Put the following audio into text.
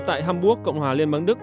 tại hamburg cộng hòa liên bản đức